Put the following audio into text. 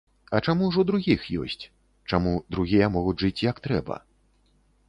А чаму ж у другіх ёсць, чаму другія могуць жыць як трэба.